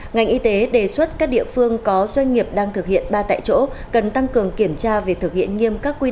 ngành y tế đề xuất các địa phương có doanh nghiệp đang thực hiện ba tại chỗ cần tăng cường kiểm tra về thực hiện nghiêm